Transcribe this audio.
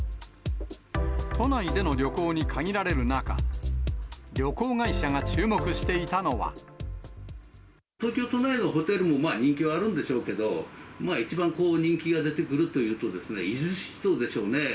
都内での旅行に限られる中、東京都内のホテルもまあ人気はあるんでしょうけど、一番人気が出てくるというと、伊豆七島でしょうね。